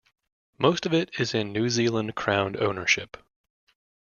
Most of it is in New Zealand Crown ownership.